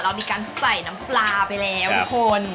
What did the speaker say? เรามีการใส่น้ำปลาไปแล้วทุกคน